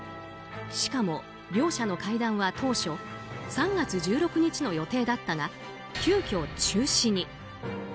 しかも、両者の会談は当初３月１６日の予定だったが急きょ中止に。